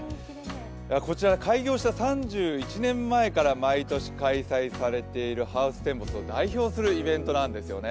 こちら開業した３１年前から毎年開催されているハウステンボスを代表するイベントなんですよね。